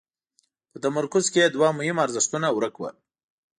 په تمرکز کې یې دوه مهم ارزښتونه ورک وو.